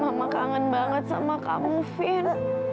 mama kangen banget sama kamu fin